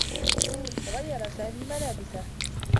غيّر سامي ملابسه.